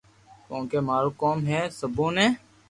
ڪونڪہ مارو ڪوم ھي سبو ني